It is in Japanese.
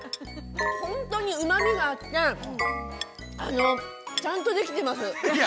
◆本当にうまみがあってちゃんとできてます。